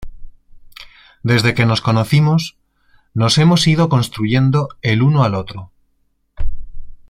Desde que nos conocimos nos hemos ido construyendo uno al otro.